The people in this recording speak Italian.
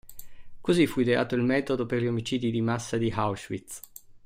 Così fu ideato il metodo per gli omicidi di massa di Auschwitz.